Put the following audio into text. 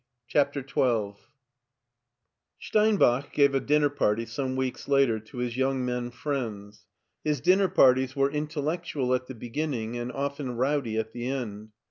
CHAPTER XII STEINBACH gave a dinner party some weeks later to his young men friends. His dinner parties were intellectual at the beginning and often rowdy at the end.